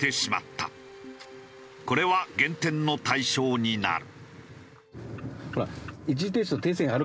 これは減点の対象になる。